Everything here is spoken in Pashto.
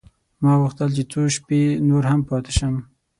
ما غوښتل چې څو شپې نور هم پاته شم.